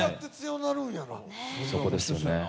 そこですよね。